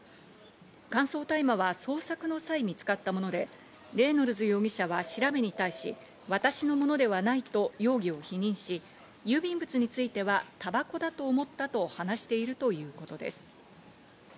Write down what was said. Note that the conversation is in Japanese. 乾燥大麻は捜索の際に見つかったもので、レイノルズ容疑者は調べに対し、私のものではないと容疑を否認し、郵便物については、たばこだと思ったと話しているということです。